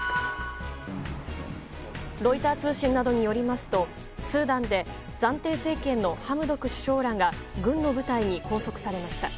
ロイター通信などによりますとスーダンで暫定政権のハムドク首相らが軍の部隊に拘束されました。